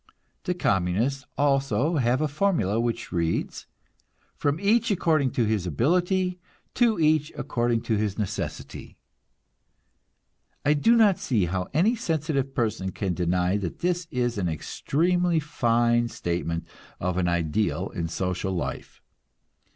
The Communists also have a formula, which reads: "From each according to his ability, to each according to his necessity." I do not see how any sensitive person can deny that this is an extremely fine statement of an ideal in social life.